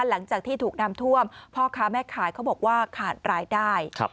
หลังจากที่ถูกน้ำท่วมพ่อค้าแม่ขายเขาบอกว่าขาดรายได้